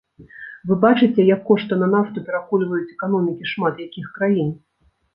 Вы бачыце, як кошты на нафту перакульваюць эканомікі шмат якіх краін.